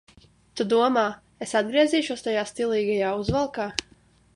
Tu domā, es atgriezīšos tajā stilīgajā uzvalkā?